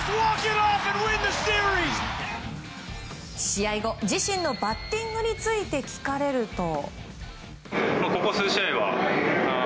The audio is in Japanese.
試合後、自身のバッティングについて聞かれると。